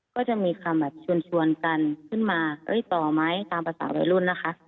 ก็จะมีคำแบบชวนกันขึ้นมาต่อไหมตามภาษาวัยรุ่นนะคะ